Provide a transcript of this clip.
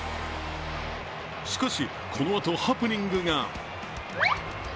しかし、このあとハプニングが。